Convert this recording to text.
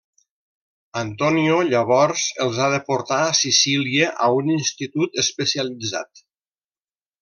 Antonio llavors els ha de portar a Sicília, a un institut especialitzat.